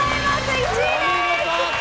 １位です！